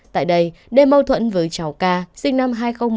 tại đây đêm mâu thuẫn với cháu k sinh năm hai nghìn một mươi hai